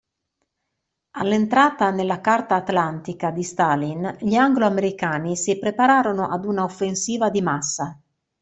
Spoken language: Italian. All'entrata nella Carta Atlantica di Stalin, gli anglo-americani si preparano ad una offensiva di massa.